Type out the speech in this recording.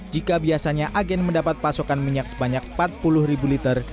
jika biasanya agen mendapat pasokan minyak sebanyak empat puluh ribu liter